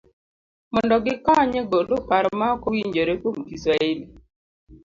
mondo gikony e golo paro maok owinjore kuom Kiswahili.